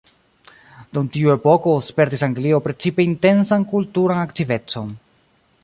Dum tiu epoko spertis Anglio precipe intensan kulturan aktivecon.